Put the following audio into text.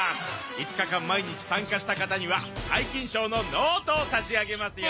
５日間毎日参加した方には皆勤賞のノートを差し上げますよ！